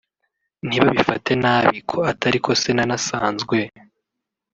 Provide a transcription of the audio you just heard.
ntibabifate nabi ko atari ko se nanasanzwe